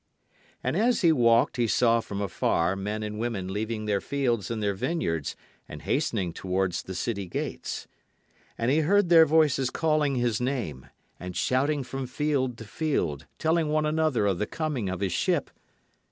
And as he walked he saw from afar men and women leaving their fields and their vineyards and hastening towards the city gates. And he heard their voices calling his name, and shouting from field to field telling one another of the coming of his ship.